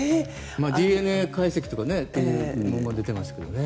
ＤＮＡ解析とかっていうものが出てますけどね。